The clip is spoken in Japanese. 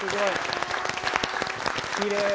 きれい。